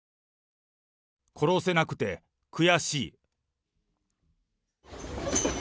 殺せなくて悔しい。